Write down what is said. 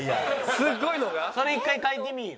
それ一回書いてみぃよ。